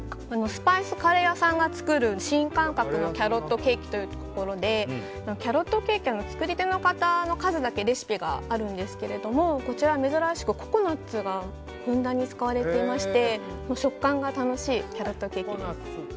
スパイスカレー屋さんが作る新感覚のキャロットケーキということでキャロットケーキは作り手の方の数だけレシピがあるんですけれどもこちらは珍しくココナツがふんだんに使われていまして食感が楽しいキャロットケーキです。